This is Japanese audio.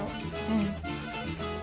うん。